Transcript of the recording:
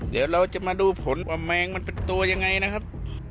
เดี๋ยวเราจะมาดูผลว่าแมงมันเป็นตัวยังไงนะครับ